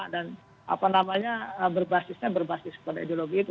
dan apa namanya berbasisnya berbasis pada ideologi itu